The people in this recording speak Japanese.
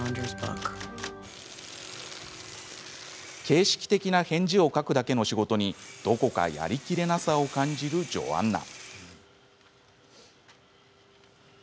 形式的な返事を書くだけの仕事にどこかやりきれなさを感じるジョアンナ。